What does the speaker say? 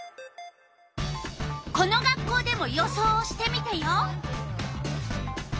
この学校でも予想をしてみたよ。